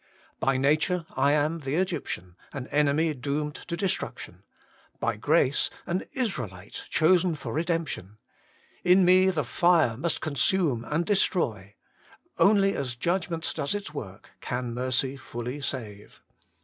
By nature I am the Egyptian, an enemy doomed to destruction ; by grace, an Israelite chosen for redemption. In me HOLINESS AND GLORY. 61 the fire must consume and destroy ; only as judg ment does its work, can mercy fully save.